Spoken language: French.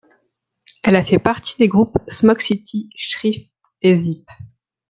Elle a fait partie des groupes Smoke City, Shrift et Zeep.